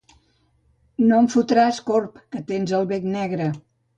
No em fotràs corb, que tens el bec negre.